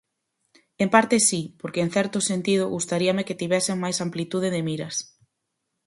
En parte si, porque en certo sentido gustaríame que tivesen máis amplitude de miras.